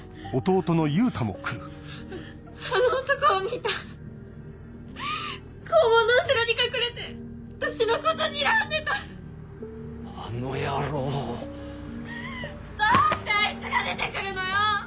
ハァハァあの男を見た校門の後ろに隠れて私のことにらんでたあの野郎どうしてあいつが出て来るのよ！